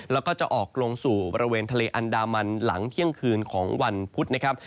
แล้วก็จะออกลงสู่บริเวณทะเลอันดามันหลังเที่ยงคืนของวันพุธนะครับ